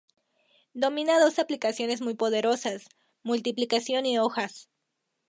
Domina dos aplicaciones muy poderosas: 'multiplicación' y 'hojas'.